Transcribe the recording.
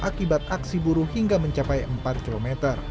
akibat aksi buruh hingga mencapai empat km